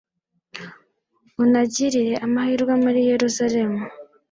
unagirire amahirwe muri yeruzalemu